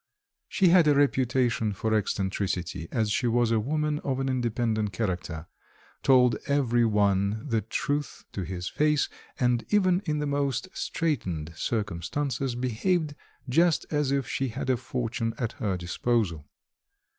She had a reputation for eccentricity as she was a woman of an independent character, told every one the truth to his face, and even in the most straitened circumstances behaved just as if she had a fortune at her disposal.